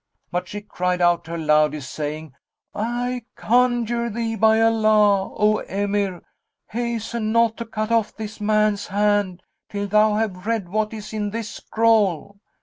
But she cried out her loudest, saying, "I conjure thee, by Allah, O Emir, hasten not to cut off this man's hand, till thou have read what is in this scroll!"